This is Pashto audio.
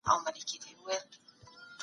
چلنپوهنه مانا نيمګړې پرېږدي.